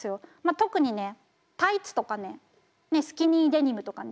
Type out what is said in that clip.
特にねタイツとかねスキニーデニムとかね